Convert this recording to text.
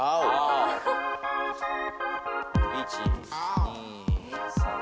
１２３４。